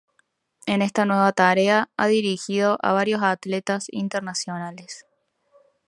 En esta nueva tarea ha dirigido a varios atletas internacionales.